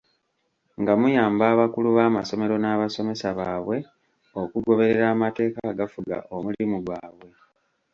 Nga muyamba abakulu b'amasomero n'abasomesa baabwe okugoberera amateeka agafuga omulimu gwabwe.